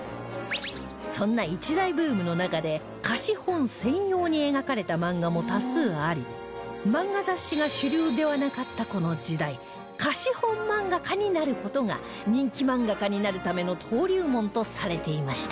そんな一大ブームの中で貸本専用に描かれた漫画も多数あり漫画雑誌が主流ではなかったこの時代貸本漫画家になる事が人気漫画家になるための登竜門とされていました